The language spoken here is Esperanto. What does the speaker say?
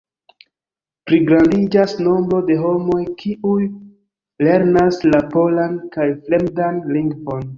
Pligrandiĝas nombro de homoj, kiuj lernas la polan kiel fremdan lingvon.